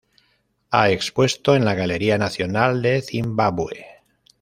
Ha expuesto en la Galería Nacional de Zimbabue.